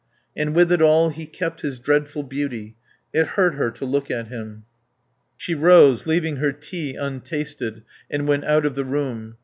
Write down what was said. And with it all he kept his dreadful beauty. It hurt her to look at him. She rose, leaving her tea untasted, and went out of the room.